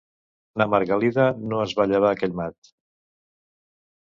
Na Margalida no es va llevar aquell mat